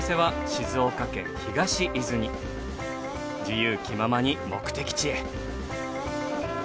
自由気ままに目的地へ。